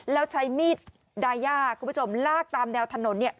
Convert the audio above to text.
แล้วใช้มีดดายาคุณผู้ชมลากตามแนวถนนเนี่ย